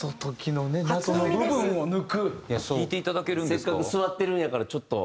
せっかく座ってるんやからちょっと。